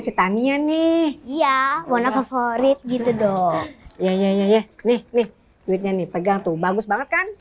sitania nih iya warna favorit gitu dong ya nih nih duitnya nih pegang tuh bagus banget kan